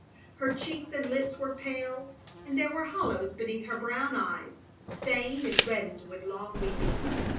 Her cheeks and lips were pale, and there were hollows beneath her brown eyes, stained and reddened with long weeping.